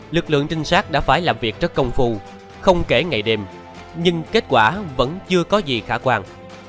lực lượng trinh sát đã phải làm việc rất công phu không kể ngày đêm nhưng kết quả vẫn chưa có gì khả quan